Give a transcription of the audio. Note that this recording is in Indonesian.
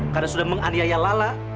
karena sudah menganiaya lala